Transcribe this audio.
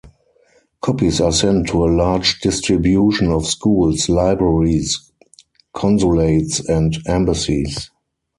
Copies are sent to a large distribution of schools, libraries, consulates and embassies.